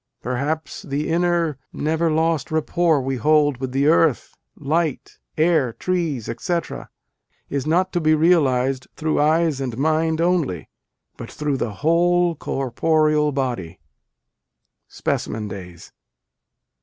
Perhaps the inner, never lost rapport we hold with earth, light, air, trees, etc., is not to be realized through eyes and mind only, but through the whole corporeal body." (Specimen Days.)